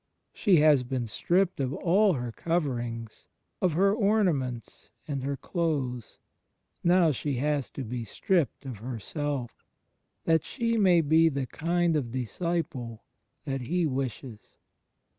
She has been stripped of all her cover ings, of her ornaments and her clothes; now she has to be stripped of herself, that she may be the kind of disciple that He wishes.